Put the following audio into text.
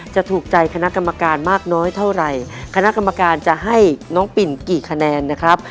จะถูกใจคณะกรรมการมากน้อยเท่าไหร่คณะกรรมการจะให้น้องปิ่นกี่คะแนนนะครับ